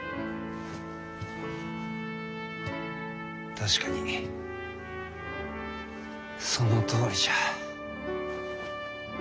確かにそのとおりじゃ。